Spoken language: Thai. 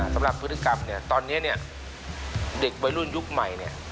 สำหรับพฤติกรรมตอนนี้เด็กบร้อยร่วมยุคนใหม่